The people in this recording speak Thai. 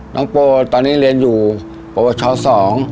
น้องโปรตอนนี้เรียนอยู่โปรประชาติ๒